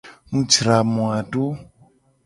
Mu jra moa do.